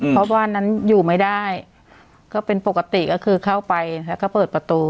เพราะบ้านนั้นอยู่ไม่ได้ก็เป็นปกติก็คือเข้าไปแล้วก็เปิดประตู